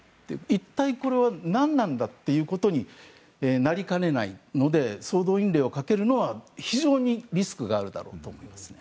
一体これは何なんだということになりかねないので総動員令をかけるのは非常にリスクがあるだろうと思います。